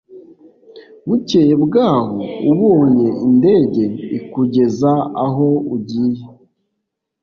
bukeye bw aho ubonye indege ikugeza aho ugiye